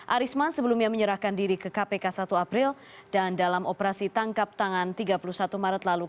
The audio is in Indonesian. arisman sebelumnya menyerahkan diri ke kpk satu april dan dalam operasi tangkap tangan tiga puluh satu maret lalu